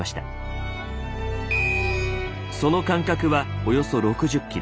その間隔はおよそ６０ｋｍ。